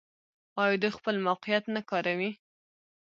آیا دوی خپل موقعیت نه کاروي؟